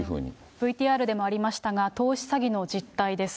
ＶＴＲでもありましたが、投資詐欺の実態です。